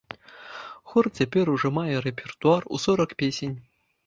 Хор цяпер ужо мае рэпертуар у сорак песень.